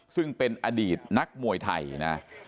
ซึ่งเป็นอดีตนักมวยไทยนะ